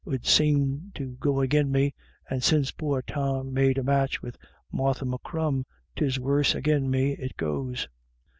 'ud seem to go agin me, and since poor Tom made a match wid Martha M'Crum, 'tis worse agin me it goes.